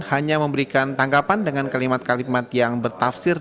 hanya memberikan tanggapan dengan kalimat kalimat yang bertafsir